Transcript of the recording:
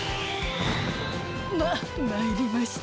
ままいりました。